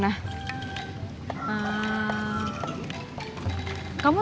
kamu mau ke rumah